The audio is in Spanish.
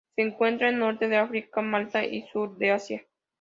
Se encuentra en Norte de África, Malta y Sur de Asia.